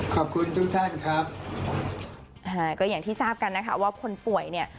ขอบคุณทุกท่านครับอ่าก็อย่างที่ทราบกันนะคะว่าคนป่วยเนี่ย